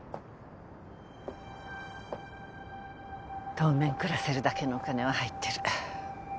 当面暮らせるだけのお金は入ってる。